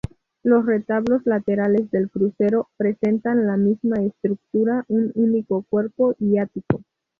Los retablos laterales del crucero presentan la misma estructura: un único cuerpo y ático.